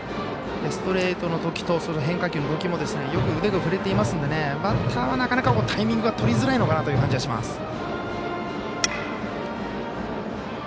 ストレートのときと変化球のときもよく腕が振れていますのでバッターはなかなかタイミングはとりづらいのかなという感じがします。